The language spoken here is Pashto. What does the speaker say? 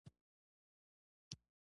زما روح د موسیقۍ له نرم غږ سره ارام مومي.